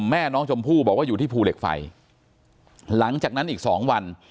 แม่น้องชมพู่บอกว่าอยู่ที่ภูเหล็กไฟหลังจากนั้นอีกสองวัน